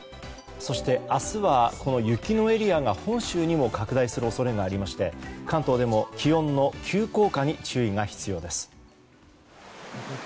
そして明日は雪のエリアが本州にも拡大する恐れがありまして関東でも気温の急降下に注意が必要です。